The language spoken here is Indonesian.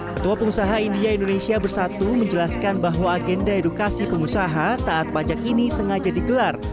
ketua pengusaha india indonesia bersatu menjelaskan bahwa agenda edukasi pengusaha taat pajak ini sengaja digelar